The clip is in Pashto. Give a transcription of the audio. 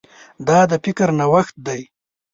دا د فکر نوښت دی.